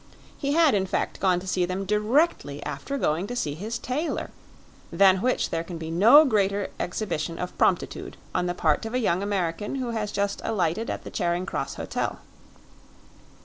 He had, in fact, gone to see them directly after going to see his tailor, than which there can be no greater exhibition of promptitude on the part of a young American who has just alighted at the Charing Cross Hotel.